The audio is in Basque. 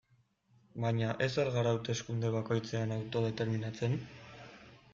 Baina ez al gara hauteskunde bakoitzean autodeterminatzen?